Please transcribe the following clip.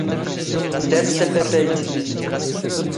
ⴷⴰⵔⵙ ⵜⴰⵍⵒⴰⵒⴰⵢⵜ.